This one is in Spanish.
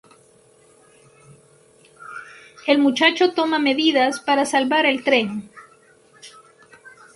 El muchacho toma medidas para salvar el tren.